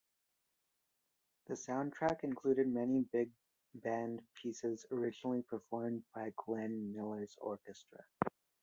The soundtrack included many big band pieces originally performed by Glenn Miller's orchestra.